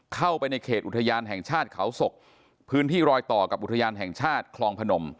เข้าไปในเขตอุทยานแห่งชาติเขาศกพื้นที่รอยต่อกับอุทยานแห่งชาติคลองพนม